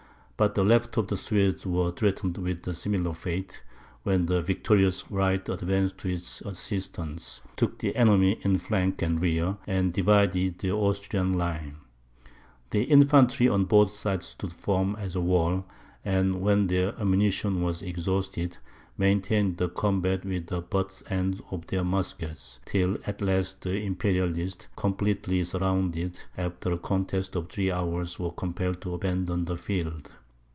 But the left of the Swedes was threatened with a similar fate, when the victorious right advanced to its assistance, took the enemy in flank and rear, and divided the Austrian line. The infantry on both sides stood firm as a wall, and when their ammunition was exhausted, maintained the combat with the butt ends of their muskets, till at last the Imperialists, completely surrounded, after a contest of three hours, were compelled to abandon the field.